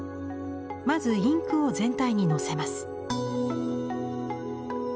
まずインクを全体にのせます。